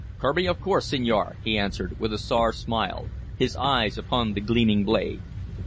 "Kirby, of course, senor," he answered with a sour smile, his eyes upon the gleaming blade.